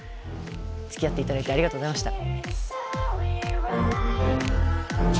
つきあって頂いてありがとうございました。